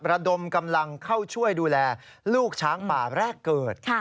ระดมกำลังเข้าช่วยดูแลลูกช้างป่าแรกเกิด